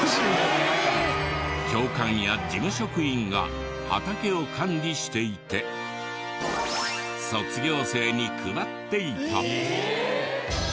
教官や事務職員が畑を管理していて卒業生に配っていた。